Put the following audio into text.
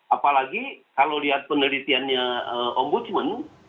apalagi kalau lihat penelitiannya ombudsman